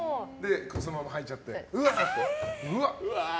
そのまま履いちゃってうわー！とか？